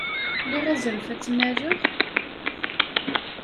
Liɣ azref ad t-nnaleɣ?